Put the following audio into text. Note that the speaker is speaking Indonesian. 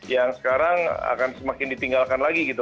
yang sekarang akan semakin ditinggalkan lagi gitu